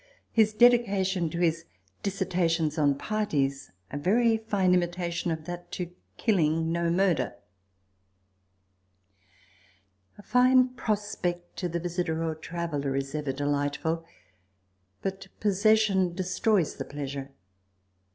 * His Dedication to his Dissertations on parties, a very fine imitation of that to " Killing no Murder." A fine prospect to the visitor or traveller is ever delightful but possession destroys the pleasure.